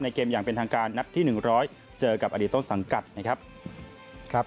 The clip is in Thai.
เกมอย่างเป็นทางการนัดที่๑๐๐เจอกับอดีตต้นสังกัดนะครับ